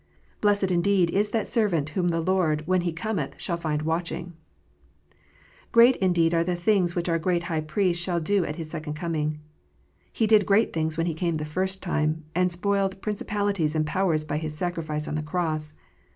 Blessed, indeed, is that servant whom the Lord, when He cometh, shall find watching ! Great indeed are the things which our great High Priest shall do at His second coming. He did great things when He came the first time, and spoiled principalities and powers by His sacrifice on the cross.